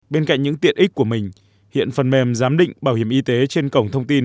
bên cạnh những tiện ích của mình hiện phần mềm giám định bảo hiểm y tế trên cổng thông tin